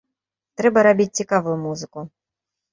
Трэба рабіць цікавую музыку.